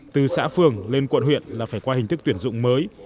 từ xã phường lên quận huyện là phải qua hình thức tuyển dụng mới